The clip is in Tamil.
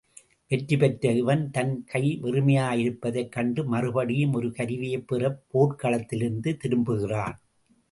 வெற்றிபெற்ற இவன் தன் கை வெறுமையாயிருப்பதைக் கண்டு மறுபடியும் ஒரு கருவியைப் பெறப் போர்க் களத்திலிருந்து திரும்புகிறான்.